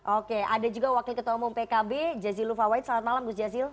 oke ada juga wakil ketua umum pkb jazilu fawait selamat malam gus jazil